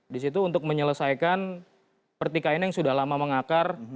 disitu untuk menyelesaikan pertikaian yang sudah lama mengakar